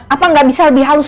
apa nggak bisa lebih halus